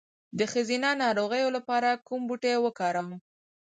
د ښځینه ناروغیو لپاره کوم بوټی وکاروم؟